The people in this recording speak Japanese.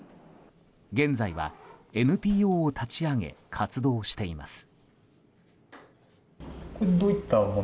現在はＮＰＯを立ち上げ活動しています。